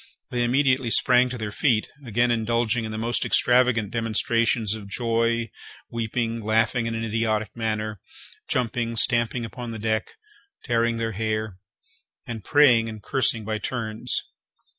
They immediately sprang to their feet, again indulging in the most extravagant demonstrations of joy, weeping, laughing in an idiotic manner, jumping, stamping upon the deck, tearing their hair, and praying and cursing by turns.